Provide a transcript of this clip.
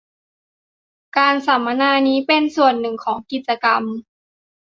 การสัมมนานี้เป็นส่วนหนึ่งของกิจกรรม